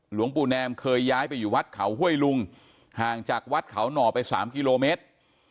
หลวงปู่แนมเคยย้ายไปอยู่วัดเขาห้วยลุงห่างจากวัดเขาหน่อไป๓กิโลเมตร